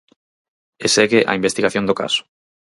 E segue a investigación do caso.